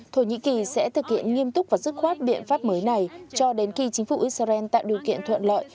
thổ nhĩ kỳ sẽ thực hiện nghiêm túc và dứt khoát biện pháp mới này cho đến khi chính phủ israel tạo điều kiện thuận lợi